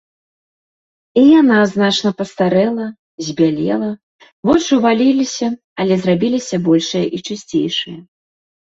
І яна значна пастарэла, збялела, вочы ўваліліся, але зрабіліся большыя і чысцейшыя.